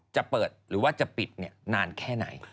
จะเปิดหรือว่าจะปิดนานแค่ไหน